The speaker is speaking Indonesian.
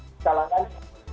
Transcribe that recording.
di kalangan kebijakan